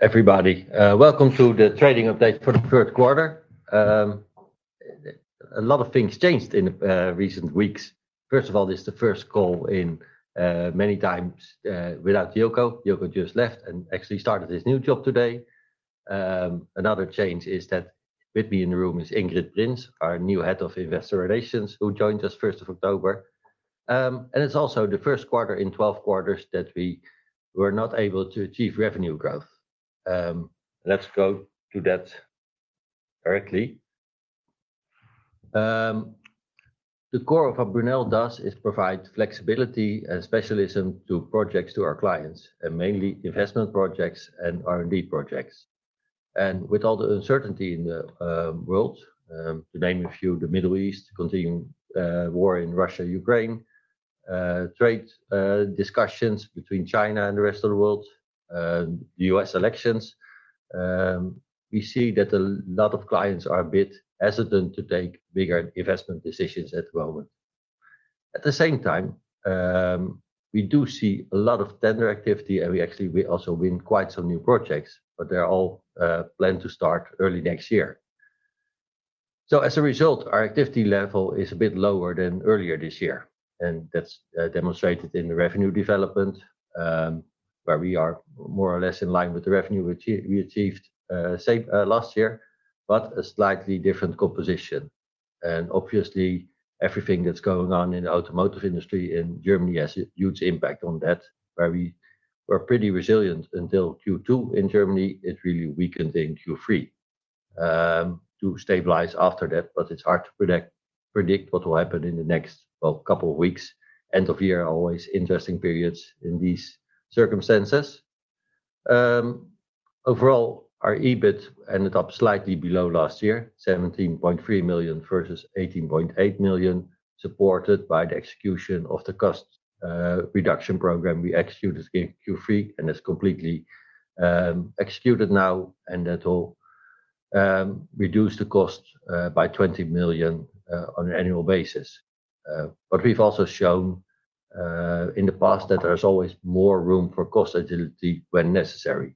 Everybody, welcome to the trading update for Q3. A lot of things changed in the recent weeks. First of all, this is the first call in many times without Jelko. Jelko just left and actually started his new job today. Another change is that with me in the room is Ingrid Prins, our new head of investor relations, who joined us on the 1st of October. It's also the first quarter in 12 quarters that we were not able to achieve revenue growth. Let's go to that directly. The core of what Brunel does is provide flexibility and specialism to projects to our clients, and mainly investment projects and R&D projects. With all the uncertainty in the world, to name a few, the Middle East, the continuing war in Russia-Ukraine, trade discussions between China and the rest of the world, the U.S. elections, we see that a lot of clients are a bit hesitant to take bigger investment decisions at the moment. At the same time, we do see a lot of tender activity, and we actually also win quite some new projects, but they're all planned to start early next year. As a result, our activity level is a bit lower than earlier this year, and that's demonstrated in the revenue development, where we are more or less in line with the revenue we achieved last year, but a slightly different composition. And obviously, everything that's going on in the automotive industry in Germany has a huge impact on that, where we were pretty resilient until Q2 in Germany. It really weakened in Q3 to stabilize after that. But it's hard to predict what will happen in the next couple of weeks. End of year are always interesting periods in these circumstances. Overall, our EBIT ended up slightly below last year, 17.3 million versus 18.8 million, supported by the execution of the cost reduction program we executed in Q3, and it's completely executed now, and that will reduce the cost by 20 million on an annual basis. But we've also shown in the past that there's always more room for cost agility when necessary.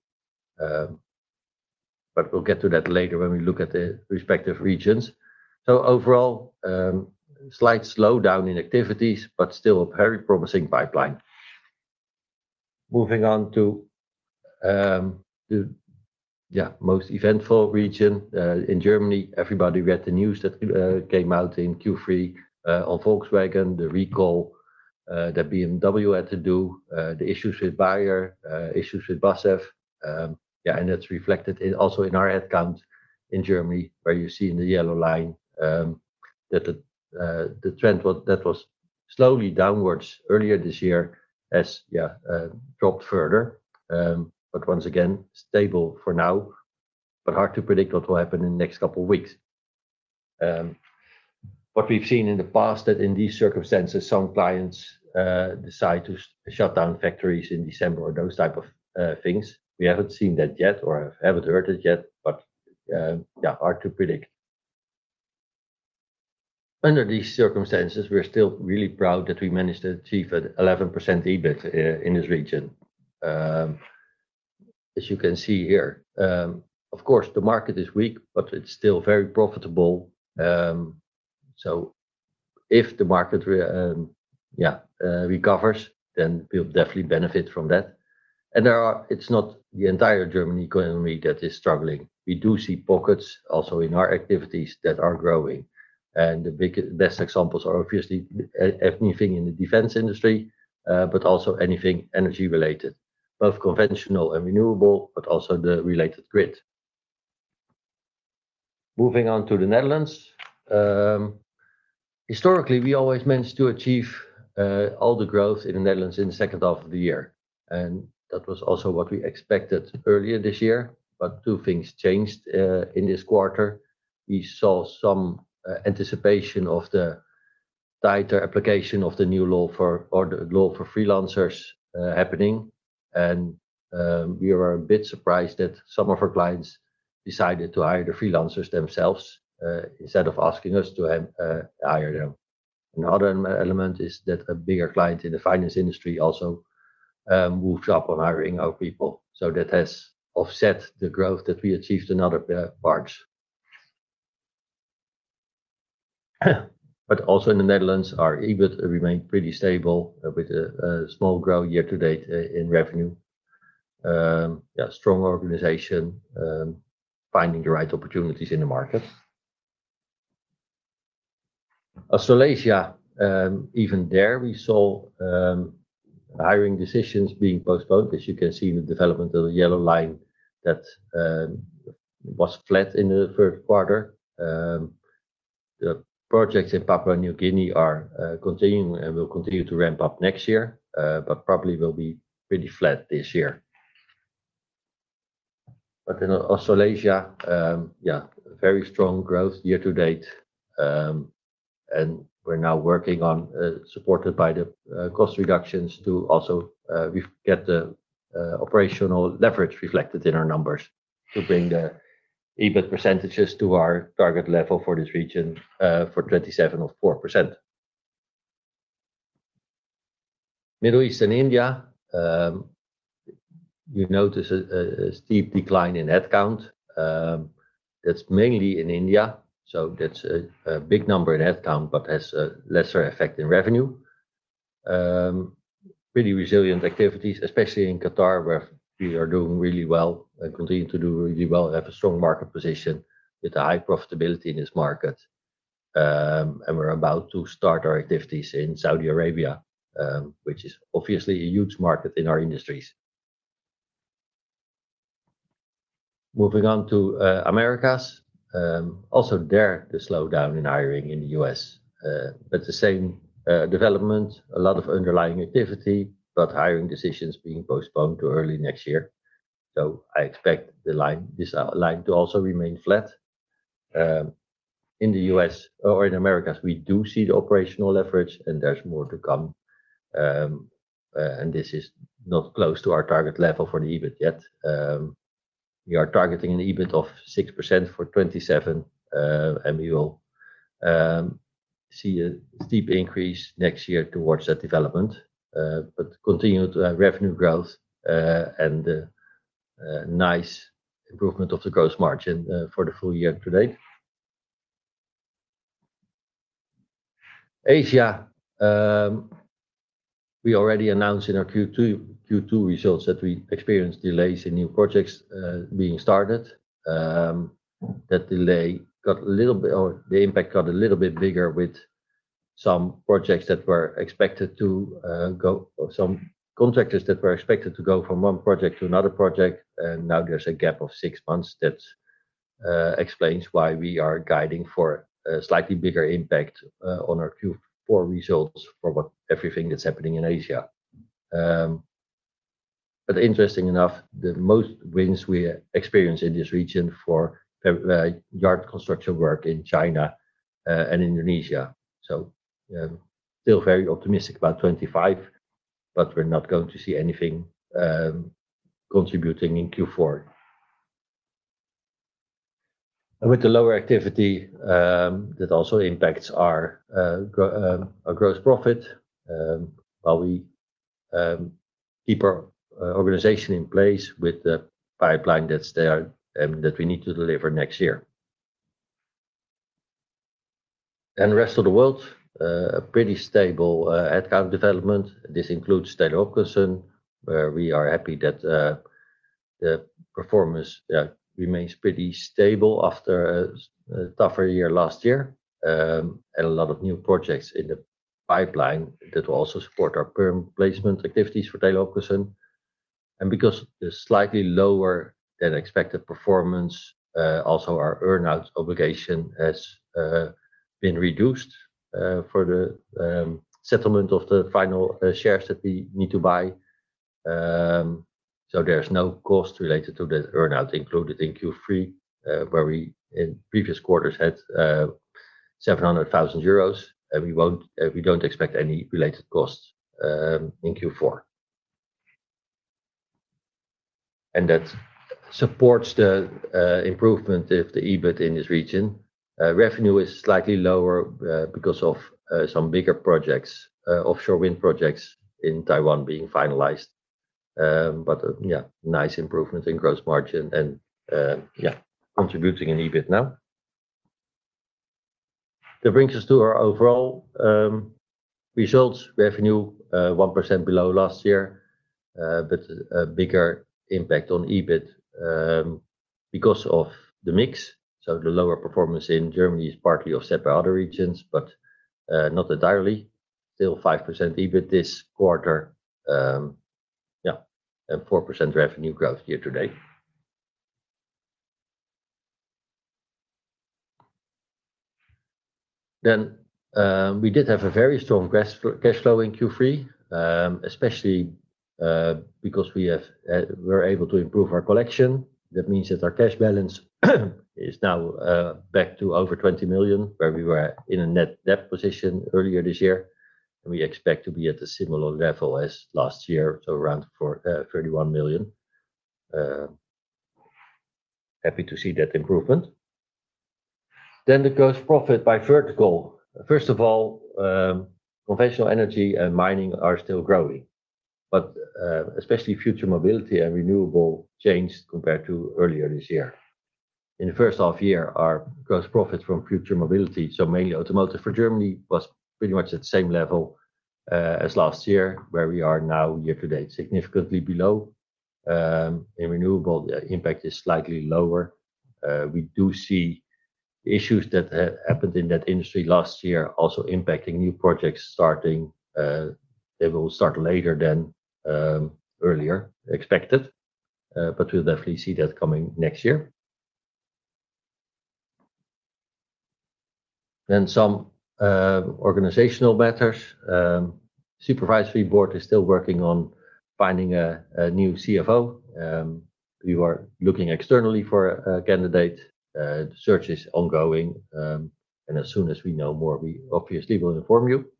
But we'll get to that later when we look at the respective regions. So, overall, a slight slowdown in activities, but still a very promising pipeline. Moving on to the most eventful region in Germany, everybody read the news that came out in Q3 on Volkswagen, the recall that BMW had to do, the issues with Bayer, issues with BASF, yeah, and that's reflected also in our headcount in Germany, where you see in the yellow line that the trend that was slowly downwards earlier this year has, yeah, dropped further, but once again, stable for now, but hard to predict what will happen in the next couple of weeks. What we've seen in the past is that in these circumstances, some clients decide to shut down factories in December or those types of things. We haven't seen that yet or haven't heard it yet, but yeah, hard to predict. Under these circumstances, we're still really proud that we managed to achieve an 11% EBIT in this region, as you can see here. Of course, the market is weak, but it's still very profitable. So, if the market, yeah, recovers, then we'll definitely benefit from that. And it's not the entire German economy that is struggling. We do see pockets also in our activities that are growing. And the best examples are obviously everything in the defense industry, but also anything energy-related, both conventional and renewable, but also the related grid. Moving on to the Netherlands. Historically, we always managed to achieve all the growth in the Netherlands in the second half of the year. And that was also what we expected earlier this year. But two things changed in this quarter. We saw some anticipation of the tighter application of the new law for freelancers happening. And we were a bit surprised that some of our clients decided to hire the freelancers themselves instead of asking us to hire them. Another element is that a bigger client in the finance industry also moves up on hiring our people. So, that has offset the growth that we achieved in other parts. But also in the Netherlands, our EBIT remained pretty stable with a small growth year to date in revenue. Yeah, strong organization, finding the right opportunities in the market. Even there, we saw hiring decisions being postponed, as you can see in the development of the yellow line that was flat in Q3. The projects in Papua New Guinea are continuing and will continue to ramp up next year, but probably will be pretty flat this year. But in Australasia, yeah, very strong growth year to date. We're now working on, supported by the cost reductions, to also get the operational leverage reflected in our numbers to bring the EBIT percentages to our target level for this region for 27.4%. Middle East and India, you notice a steep decline in headcount. That's mainly in India. So, that's a big number in headcount, but has a lesser effect in revenue. Pretty resilient activities, especially in Qatar, where we are doing really well and continue to do really well and have a strong market position with a high profitability in this market. And we're about to start our activities in Saudi Arabia, which is obviously a huge market in our industries. Moving on to Americas. Also, there the slowdown in hiring in the U.S. But the same development, a lot of underlying activity, but hiring decisions being postponed to early next year. I expect this line to also remain flat. In the U.S. or in Americas, we do see the operational leverage, and there's more to come. This is not close to our target level for the EBIT yet. We are targeting an EBIT of 6% for 2027, and we will see a steep increase next year towards that development. Continued revenue growth and a nice improvement of the gross margin for the full year to date. Asia, we already announced in our Q2 results that we experienced delays in new projects being started. That delay got a little bit or the impact got a little bit bigger with some projects that were expected to go or some contractors that were expected to go from one project to another project. And now there's a gap of six months that explains why we are guiding for a slightly bigger impact on our Q4 results for everything that's happening in Asia. But, interestingly enough, the most wins we experience in this region for yard construction work in China and Indonesia. So, still very optimistic about 2025, but we're not going to see anything contributing in Q4. With the lower activity, that also impacts our gross profit while we keep our organization in place with the pipeline that we need to deliver next year. And the rest of the world, pretty stable headcount development. This includes Taylor Hopkinson, where we are happy that the performance remains pretty stable after a tougher year last year and a lot of new projects in the pipeline that will also support our firm placement activities for Taylor Hopkinson. And because the slightly lower than expected performance, also our earnout obligation has been reduced for the settlement of the final shares that we need to buy. So, there's no cost related to the earnout included in Q3, where we in previous quarters had 700,000 euros, and we don't expect any related costs in Q4. And that supports the improvement of the EBIT in this region. Revenue is slightly lower because of some bigger projects, offshore wind projects in Taiwan being finalized. But yeah, nice improvement in gross margin and yeah, contributing an EBIT now. That brings us to our overall results. Revenue, 1% below last year, but a bigger impact on EBIT because of the mix. So, the lower performance in Germany is partly offset by other regions, but not entirely. Still 5% EBIT this quarter. Yeah, and 4% revenue growth year to date. Then we did have a very strong cash flow in Q3, especially because we were able to improve our collection. That means that our cash balance is now back to over 20 million, where we were in a net debt position earlier this year. And we expect to be at a similar level as last year, so around 31 million. Happy to see that improvement. Then the gross profit by vertical. First of all, conventional energy and mining are still growing, but especially Future Mobility and Renewables changed compared to earlier this year. In the first half year, our gross profit from Future Mobility, so mainly automotive for Germany, was pretty much at the same level as last year, where we are now year to date significantly below. In Renewables, the impact is slightly lower. We do see issues that happened in that industry last year also impacting new projects starting. They will start later than earlier expected, but we'll definitely see that coming next year. Then some organizational matters. The Supervisory Board is still working on finding a new CFO. We were looking externally for a candidate. Search is ongoing. And as soon as we know more, we obviously will inform you.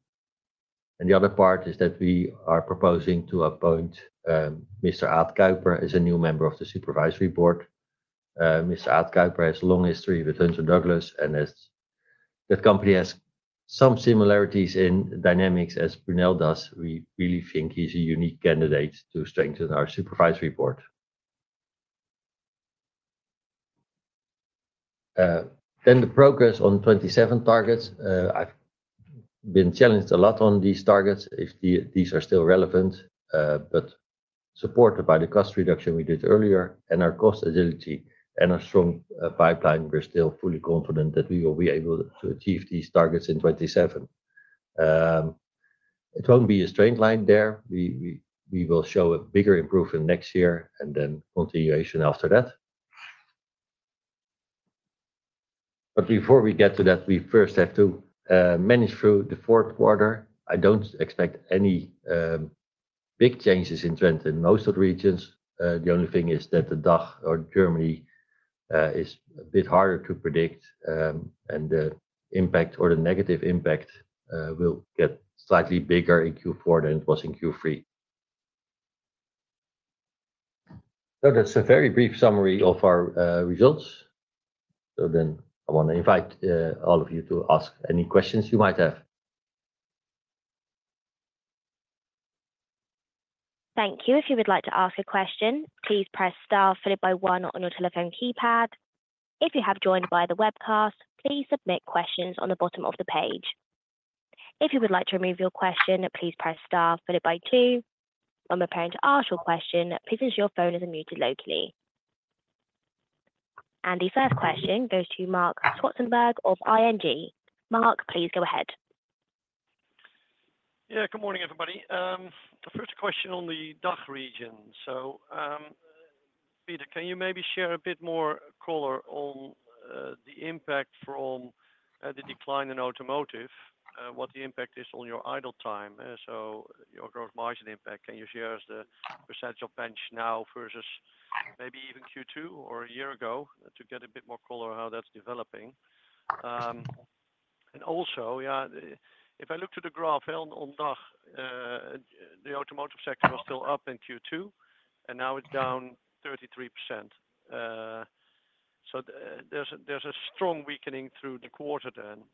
And the other part is that we are proposing to appoint Mr. Aad Kuiper as a new member of the Supervisory Board. Mr. Aad Kuiper has a long history with Hunter Douglas, and that company has some similarities in dynamics as Brunel does. We really think he's a unique candidate to strengthen our Supervisory Board. Then the progress on 2027 targets. I've been challenged a lot on these targets if these are still relevant, but supported by the cost reduction we did earlier and our cost agility and our strong pipeline, we're still fully confident that we will be able to achieve these targets in 2027. It won't be a straight line there. We will show a bigger improvement next year and then continuation after that. But before we get to that, we first have to manage through Q4. I don't expect any big changes in trend in most of the regions. The only thing is that the DACH or Germany is a bit harder to predict, and the impact or the negative impact will get slightly bigger in Q4 than it was in Q3. So, that's a very brief summary of our results. So then I want to invite all of you to ask any questions you might have. Thank you. If you would like to ask a question, please press star followed by one on your telephone keypad. If you have joined via the webcast, please submit questions on the bottom of the page. If you would like to remove your question, please press star followed by two. When preparing to ask your question, please ensure your phone is muted locally. And the first question goes to Mark Swartzenberg of ING. Mark, please go ahead. Yeah, good morning, everybody. The first question on the DACH region. So, Peter, can you maybe share a bit more color on the impact from the decline in automotive, what the impact is on your idle time, so your gross margin impact? Can you share the percentage of bench now versus maybe even Q2 or a year ago to get a bit more color how that's developing? And also, yeah, if I look to the graph on DACH, the automotive sector was still up in Q2, and now it's down 33%. So, there's a strong weakening through the quarter then.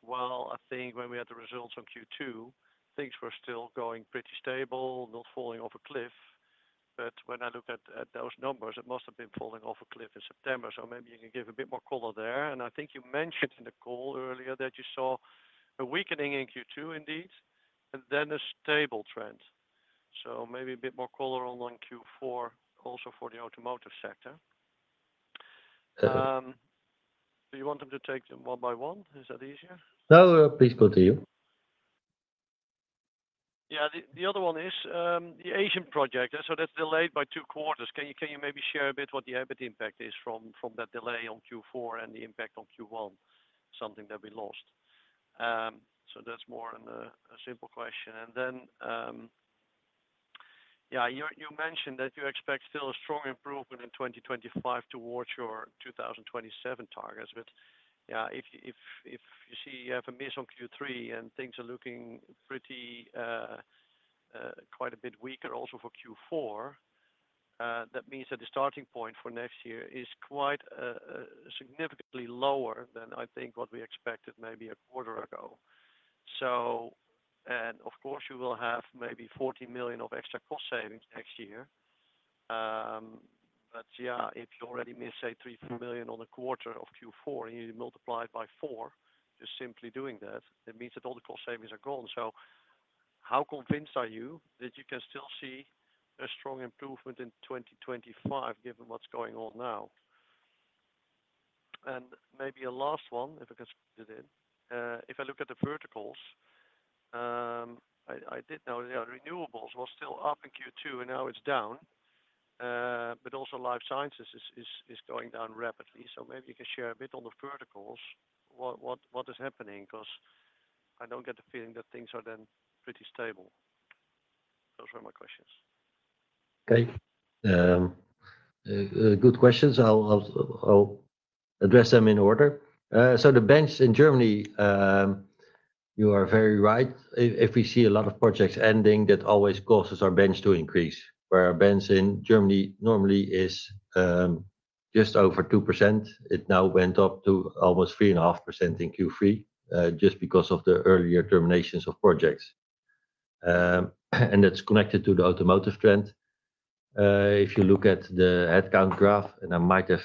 While I think when we had the results on Q2, things were still going pretty stable, not falling off a cliff. But when I look at those numbers, it must have been falling off a cliff in September. So, maybe you can give a bit more color there. And I think you mentioned in the call earlier that you saw a weakening in Q2 indeed, and then a stable trend. So, maybe a bit more color on Q4 also for the automotive sector. Do you want them to take them one by one? Is that easier? No, please go to you. Yeah, the other one is the Asian project. So, that's delayed by two quarters. Can you maybe share a bit what the impact is from that delay on Q4 and the impact on Q1, something that we lost? So, that's more a simple question. And then, yeah, you mentioned that you expect still a strong improvement in 2025 towards your 2027 targets. But yeah, if you see you have a miss on Q3 and things are looking pretty quiet a bit weaker also for Q4, that means that the starting point for next year is quite significantly lower than I think what we expected maybe a quarter ago. So, and of course, you will have maybe 40 million of extra cost savings next year. Yeah, if you already miss, say, 3 to 4 million on a quarter of Q4 and you multiply it by four, just simply doing that, it means that all the cost savings are gone. How convinced are you that you can still see a strong improvement in 2025 given what's going on now? Maybe a last one, if I can squeeze it in. If I look at the verticals, I did know renewables were still up in Q2 and now it's down, but also life sciences is going down rapidly. Maybe you can share a bit on the verticals, what is happening because I don't get the feeling that things are then pretty stable. Those were my questions. Okay. Good questions. I'll address them in order. The bench in Germany, you are very right. If we see a lot of projects ending, that always causes our bench to increase, where our bench in Germany normally is just over 2%. It now went up to almost 3.5% in Q3 just because of the earlier terminations of projects. And that's connected to the automotive trend. If you look at the headcount graph, and I might have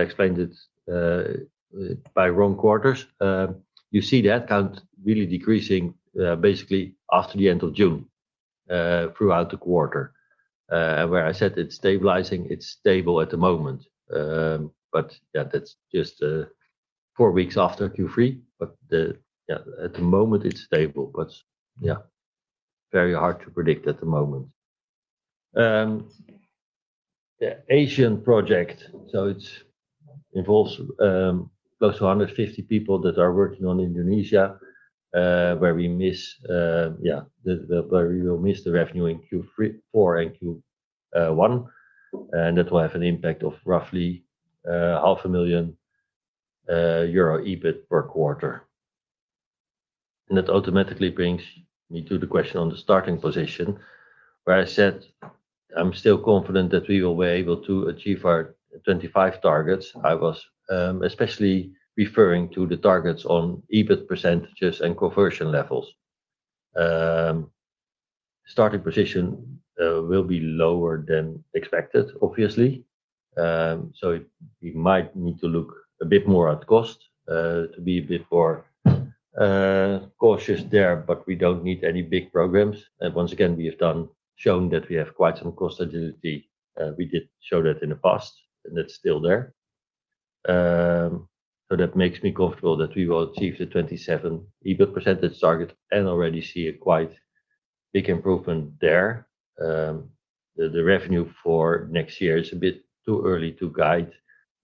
explained it by wrong quarters, you see the headcount really decreasing basically after the end of June throughout the quarter. And where I said it's stabilizing, it's stable at the moment. But yeah, that's just four weeks after Q3. But yeah, at the moment, it's stable. But yeah, very hard to predict at the moment. The Asian project, so it involves close to 150 people that are working on Indonesia, where we miss, where we will miss the revenue in Q4 and Q1. That will have an impact of roughly 500,000 euro EBIT per quarter. That automatically brings me to the question on the starting position, where I said I'm still confident that we will be able to achieve our 2025 targets. I was especially referring to the targets on EBIT percentages and conversion levels. Starting position will be lower than expected, obviously. We might need to look a bit more at cost to be a bit more cautious there, but we don't need any big programs. Once again, we have shown that we have quite some cost agility. We did show that in the past, and that's still there. That makes me comfortable that we will achieve the 2027 EBIT percentage target and already see a quite big improvement there. The revenue for next year is a bit too early to guide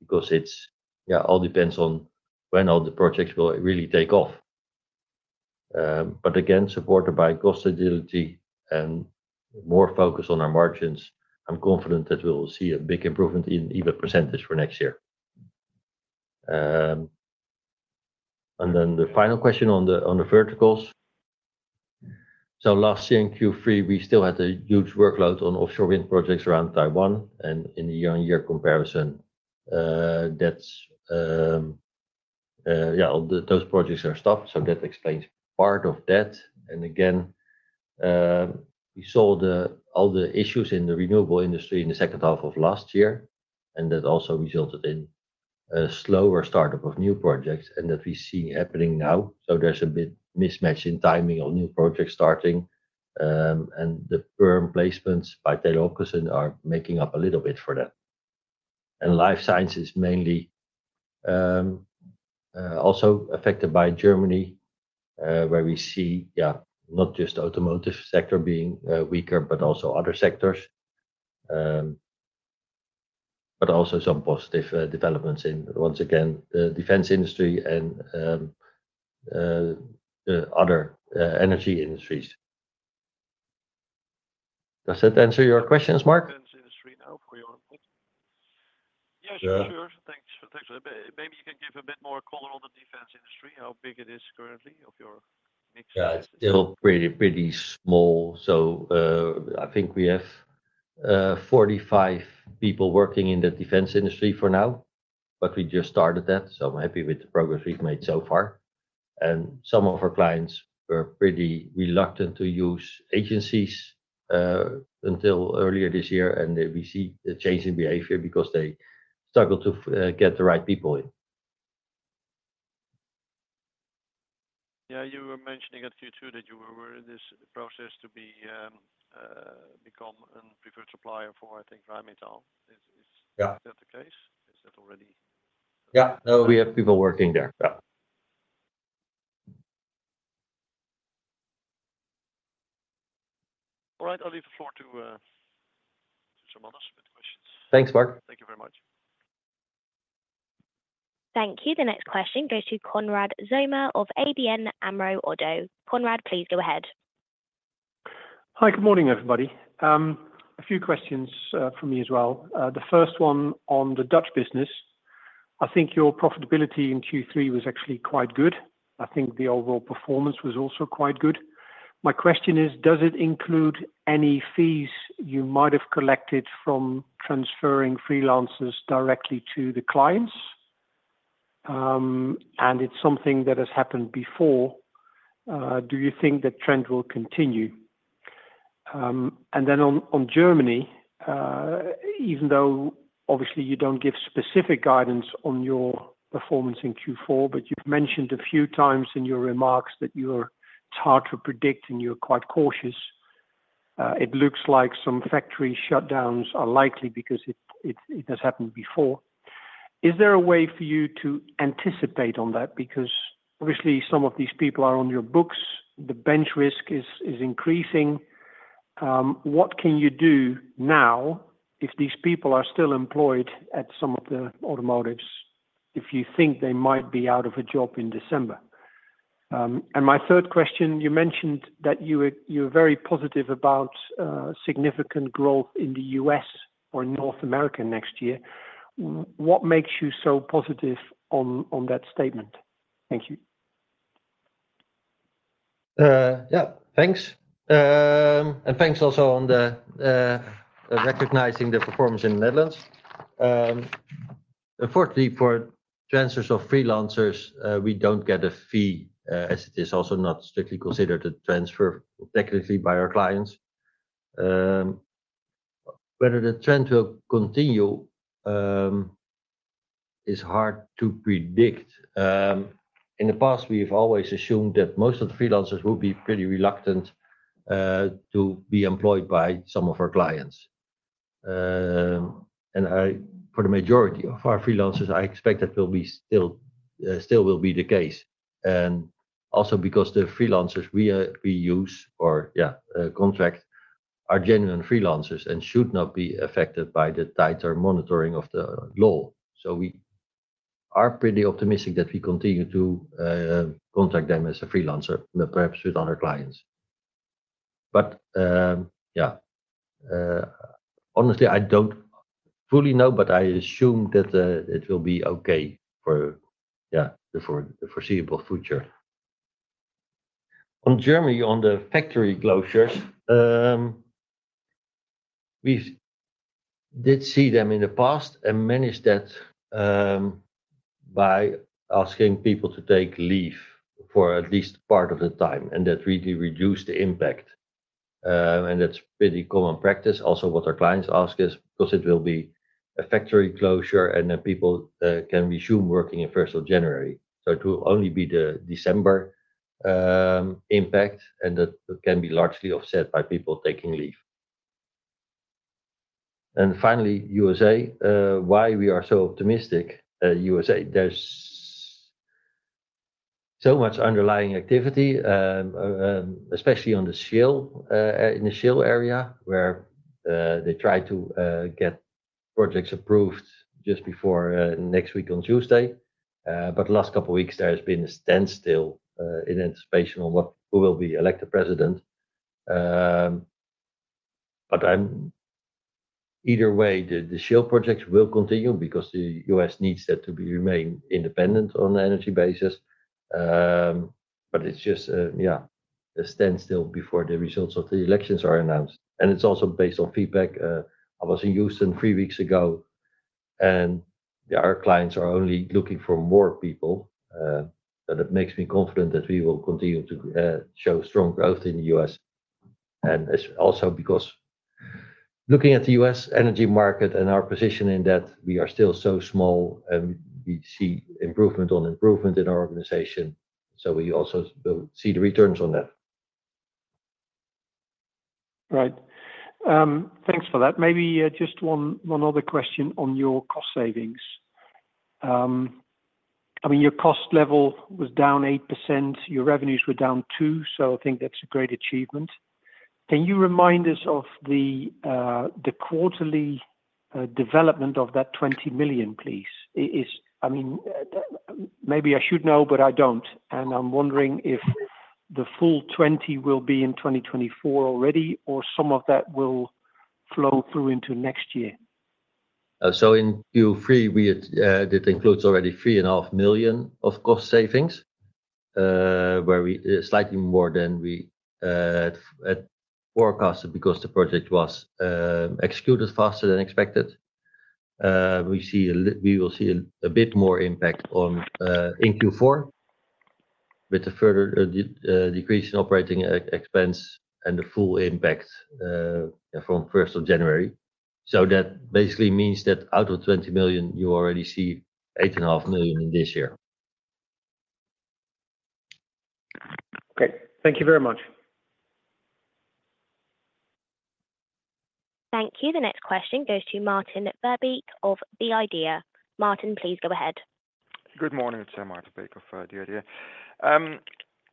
because it's, yeah, all depends on when all the projects will really take off. But again, supported by cost agility and more focus on our margins, I'm confident that we will see a big improvement in EBIT percentage for next year. And then the final question on the verticals. So, last year in Q3, we still had a huge workload on offshore wind projects around Taiwan and in the year-on-year comparison. Yeah, those projects are stopped, so that explains part of that. And again, we saw all the issues in the renewable industry in the second half of last year, and that also resulted in a slower startup of new projects and that we see happening now. a bit of a mismatch in timing of new projects starting, and the firm placements by Taylor Hopkinson are making up a little bit for that. Life sciences is mainly also affected by Germany, where we see, yeah, not just the automotive sector being weaker, but also other sectors, but also some positive developments in, once again, the defense industry and other energy industries. Does that answer your questions, Mark? Yes, for sure. Thanks. Maybe you can give a bit more color on the defense industry, how big it is currently of your mix? Yeah, it's still pretty small. So, I think we have 45 people working in the defense industry for now, but we just started that. So, I'm happy with the progress we've made so far. And some of our clients were pretty reluctant to use agencies until earlier this year, and we see a change in behavior because they struggle to get the right people in. Yeah, you were mentioning at Q2 that you were in this process to become a preferred supplier for, I think, Rheinmetall. Is that the case? Is that already? Yeah. No, we have people working there. Yeah. All right. I'll leave the floor to some others with questions. Thanks, Mark. Thank you very much. Thank you. The next question goes to Konrad Zomer of ABN AMRO - ODDO BHF. Konrad, please go ahead. Hi, good morning, everybody. A few questions for me as well. The first one on the Dutch business. I think your profitability in Q3 was actually quite good. I think the overall performance was also quite good. My question is, does it include any fees you might have collected from transferring freelancers directly to the clients? And it's something that has happened before. Do you think that trend will continue? And then on Germany, even though obviously you don't give specific guidance on your performance in Q4, but you've mentioned a few times in your remarks that you are hard to predict and you're quite cautious, it looks like some factory shutdowns are likely because it has happened before. Is there a way for you to anticipate on that? Because obviously some of these people are on your books, the bench risk is increasing. What can you do now if these people are still employed at some of the automotives, if you think they might be out of a job in December? My third question, you mentioned that you're very positive about significant growth in the US or in North America next year. What makes you so positive on that statement? Thank you. Yeah, thanks. Thanks also for recognizing the performance in the Netherlands. Unfortunately, for transfers of freelancers, we don't get a fee as it is also not strictly considered a transfer technically by our clients. Whether the trend will continue is hard to predict. In the past, we have always assumed that most of the freelancers will be pretty reluctant to be employed by some of our clients. For the majority of our freelancers, I expect that will still be the case. Also because the freelancers we use or, yeah, contract are genuine freelancers and should not be affected by the tighter monitoring of the law. So, we are pretty optimistic that we continue to contract them as a freelancer, perhaps with other clients. But yeah, honestly, I don't fully know, but I assume that it will be okay for, yeah, the foreseeable future. On Germany, on the factory closures, we did see them in the past and managed that by asking people to take leave for at least part of the time, and that really reduced the impact, and that's pretty common practice. Also, what our clients ask is because it will be a factory closure and then people can resume working in first of January, so it will only be the December impact, and that can be largely offset by people taking leave. And finally, USA, why we are so optimistic. USA, there's so much underlying activity, especially in the Shale area, where they try to get projects approved just before next week on Tuesday. But last couple of weeks, there has been a standstill in anticipation on who will be elected president. But either way, the Shale projects will continue because the US needs that to remain independent on the energy basis. But it's just, yeah, a standstill before the results of the elections are announced. And it's also based on feedback. I was in Houston three weeks ago, and our clients are only looking for more people. But it makes me confident that we will continue to show strong growth in the US. And also because looking at the US energy market and our position in that, we are still so small and we see improvement on improvement in our organization. So, we also see the returns on that. Right. Thanks for that. Maybe just one other question on your cost savings. I mean, your cost level was down 8%. Your revenues were down 2%. So, I think that's a great achievement. Can you remind us of the quarterly development of that 20 million, please? I mean, maybe I should know, but I don't. And I'm wondering if the full 20 will be in 2024 already or some of that will flow through into next year. So, in Q3, it includes already 3.5 million of cost savings, where we slightly more than we had forecasted because the project was executed faster than expected. We will see a bit more impact in Q4 with the further decrease in operating expense and the full impact from first of January. So, that basically means that out of 20 million, you already see 8.5 million in this year. Okay. Thank you very much. Thank you. The next question goes to Martin Verbeek of The Idea. Martin, please go ahead. Good morning. It's Martin Verbeek of The Idea.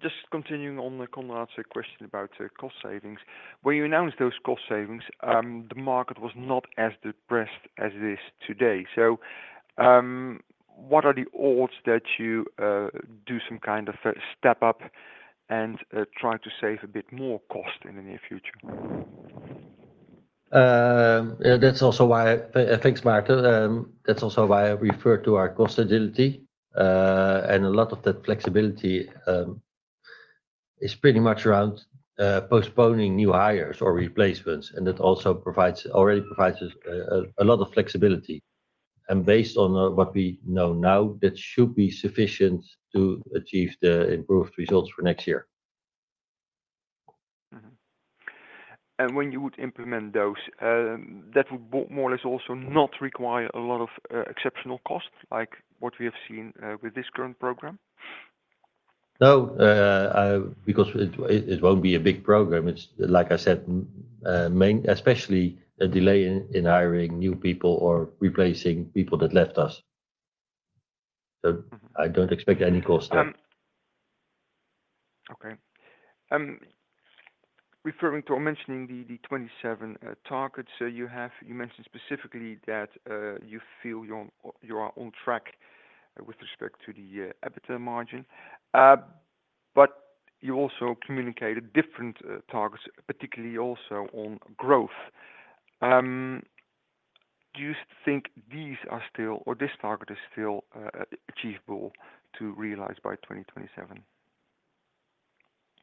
Just continuing on the Konrad's question about cost savings. When you announced those cost savings, the market was not as depressed as it is today. So, what are the odds that you do some kind of step up and try to save a bit more cost in the near future? That's also why I thank you, Martin. That's also why I refer to our cost agility. And a lot of that flexibility is pretty much around postponing new hires or replacements. And that also already provides us a lot of flexibility. Based on what we know now, that should be sufficient to achieve the improved results for next year. And when you would implement those, that would more or less also not require a lot of exceptional costs like what we have seen with this current program? No, because it won't be a big program. It's, like I said, especially a delay in hiring new people or replacing people that left us. So, I don't expect any cost there. Okay. Referring to or mentioning the '27 target, you mentioned specifically that you feel you are on track with respect to the EBITDA margin. But you also communicated different targets, particularly also on growth. Do you think these are still, or this target is still achievable to realize by 2027?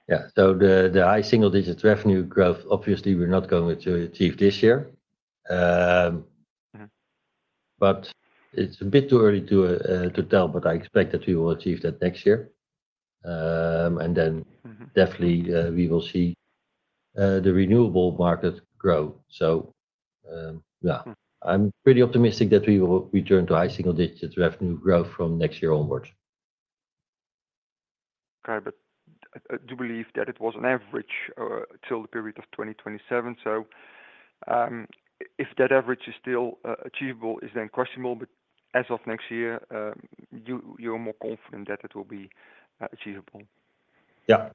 Yeah. The high single-digit revenue growth, obviously, we're not going to achieve this year. But it's a bit too early to tell, but I expect that we will achieve that next year. And then definitely, we will see the renewable market grow. So, yeah, I'm pretty optimistic that we will return to high single-digit revenue growth from next year onwards. Okay. But do you believe that it was an average till the period of 2027? So, if that average is still achievable, it's then questionable. But as of next year, you're more confident that it will be achievable? Yeah.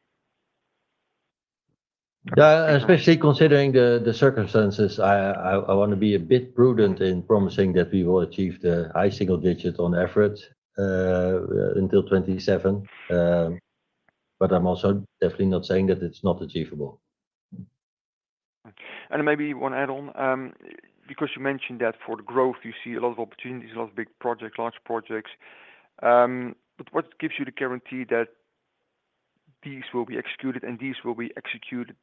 Yeah, especially considering the circumstances, I want to be a bit prudent in promising that we will achieve the high single-digit overall until 2027. But I'm also definitely not saying that it's not achievable. And maybe one add-on, because you mentioned that for the growth, you see a lot of opportunities, a lot of big projects, large projects. But what gives you the guarantee that these will be executed and these will be executed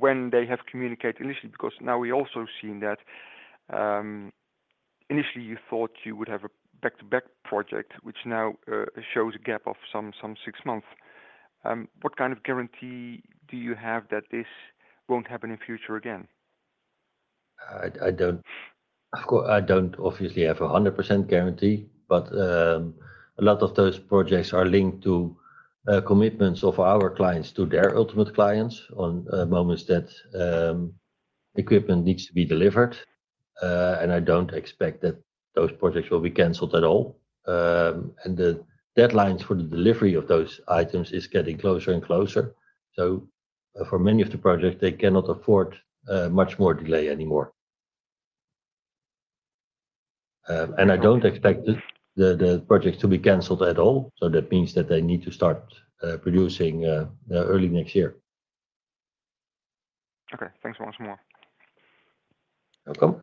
when they have communicated initially? Because now we're also seeing that initially, you thought you would have a back-to-back project, which now shows a gap of some six months. What kind of guarantee do you have that this won't happen in future again? I don't obviously have a 100% guarantee, but a lot of those projects are linked to commitments of our clients to their ultimate clients on moments that equipment needs to be delivered. And I don't expect that those projects will be canceled at all. And the deadlines for the delivery of those items are getting closer and closer. So, for many of the projects, they cannot afford much more delay anymore. And I don't expect the projects to be canceled at all. So, that means that they need to start producing early next year. Okay. Thanks once more. Welcome.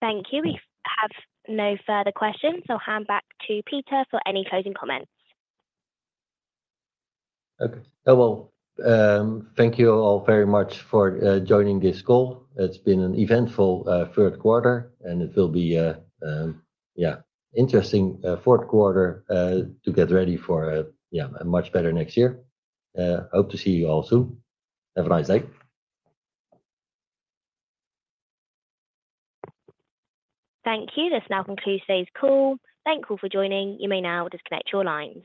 Thank you. We have no further questions. I'll hand back to Peter for any closing comments. Okay. Well, thank you all very much for joining this call. It's been an eventful Q3, and it will be, yeah, interesting Q4 to get ready for a much better next year. Hope to see you all soon. Have a nice day. Thank you. This now concludes today's call. Thank you for joining. You may now disconnect your lines.